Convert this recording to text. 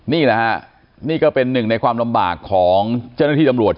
นี่แหละฮะนี่ก็เป็นหนึ่งในความลำบากของเจ้าหน้าที่ตำรวจ